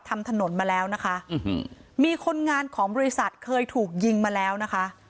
ทำถนนมาแล้วนะคะมีคนงานของบริษัทเคยถูกยิงมาแล้วนะคะ